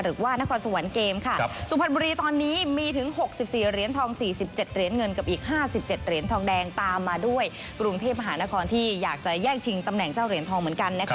หรือว่านครสวรรค์เกมค่ะสุพรรณบุรีตอนนี้มีถึง๖๔เหรียญทอง๔๗เหรียญเงินกับอีก๕๗เหรียญทองแดงตามมาด้วยกรุงเทพมหานครที่อยากจะแย่งชิงตำแหน่งเจ้าเหรียญทองเหมือนกันนะคะ